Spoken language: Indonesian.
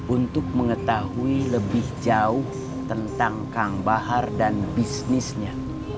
untuk mengetahui lebih jauh tentang kang bahar dan bisnisnya